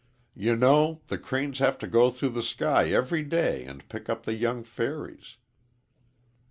You know the cranes have to go through the sky every day and pick up the young fairies."